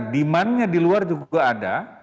demandnya di luar juga ada